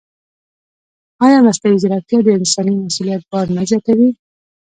ایا مصنوعي ځیرکتیا د انساني مسؤلیت بار نه زیاتوي؟